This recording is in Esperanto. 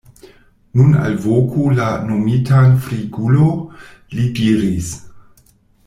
Nun alvoku la nomitan Frigulo, li diris.